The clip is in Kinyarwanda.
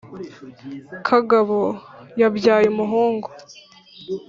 kagabo: yabyaye umuhungu.